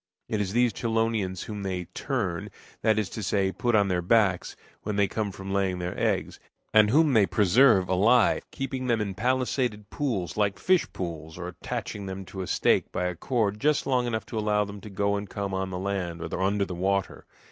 It is these chelonians whom they "turn" that is to say, put on their backs when they come from laying their eggs, and whom they preserve alive, keeping them in palisaded pools like fish pools, or attaching them to a stake by a cord just long enough to allow them to go and come on the land or under the water.